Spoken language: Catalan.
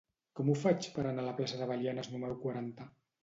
Com ho faig per anar a la plaça de Belianes número quaranta?